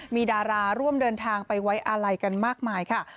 มีดาราร่วมเดินทางไปไว้อาลัยกันมากมายค่ะ